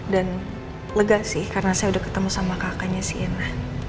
dan lega sih karena saya udah ketemu sama kakaknya sienna